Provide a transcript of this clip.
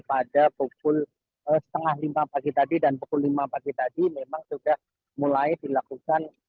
pada pukul setengah lima pagi tadi dan pukul lima pagi tadi memang sudah mulai dilakukan